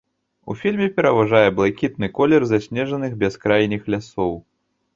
У фільме пераважае блакітны колер заснежаных бяскрайніх лясоў.